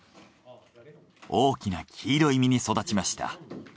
大きな黄色い身に育ちました。